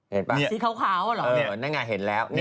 เห็นป่ะนี่สีขาวอ๋อเห็นแล้ว